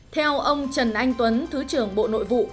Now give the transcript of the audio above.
theo ông trần anh tuấn thứ trưởng bộ nội vụ